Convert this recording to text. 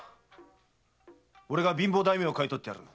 俺が貧乏大名を買い取ってやる。